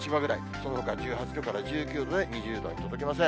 そのほか１８度から１９度で、２０度に届きません。